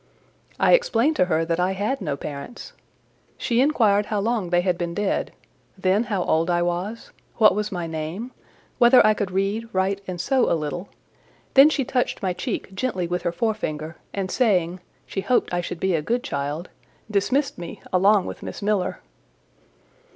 I explained to her that I had no parents. She inquired how long they had been dead: then how old I was, what was my name, whether I could read, write, and sew a little: then she touched my cheek gently with her forefinger, and saying, "She hoped I should be a good child," dismissed me along with Miss Miller.